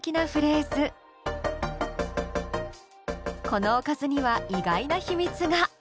このおかずには意外な秘密が。